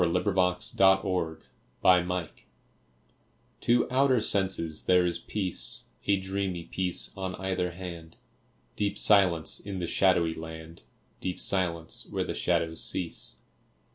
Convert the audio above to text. fi4S] II LA FUITE DE LA LUNE TO outer senses there is peace, A dreamy peace on either hand, Deep silence in the shadowy land, Deep silence where the shadows cease.